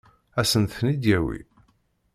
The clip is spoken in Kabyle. Ad sent-ten-id-yawi?